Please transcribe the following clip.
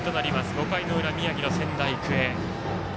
５回の裏、宮城の仙台育英。